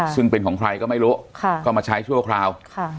ซึ่งเป็นของใครก็ไม่รู้ก็มาใช้ชั่วคราว